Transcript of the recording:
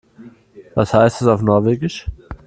Was heißt das auf Norwegisch?